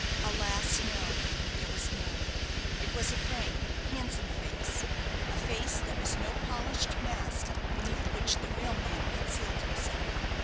Alas, no, there was none. It was a frank, handsome face a face that was no polished mask beneath which the real man concealed himself.